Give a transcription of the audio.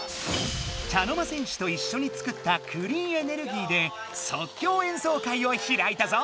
茶の間戦士といっしょに作ったクリーンエネルギーでそっきょうえんそう会をひらいたぞ！